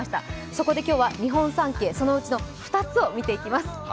そこで今日は日本三景のうちの２つを見ていきます。